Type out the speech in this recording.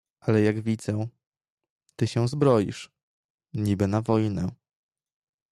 "Ale jak widzę, ty się zbroisz, niby na wojnę."